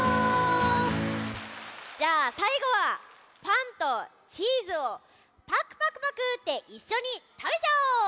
じゃあさいごはパンとチーズをパクパクパクッていっしょにたべちゃおう！